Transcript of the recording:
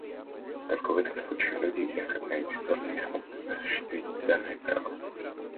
Только в этом случае люди, и особенно обездоленные, смогут осуществить данное право.